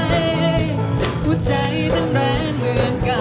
หัวใจเต้นแรงเหมือนเก่า